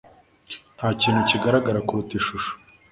Ntakintu kigaragara kuruta ishusho.